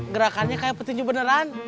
gerakannya kayak petinju beneran